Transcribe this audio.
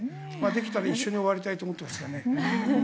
できたら一緒に終わりたいと思ってますけどね。